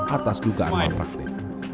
atas dugaan malpraktik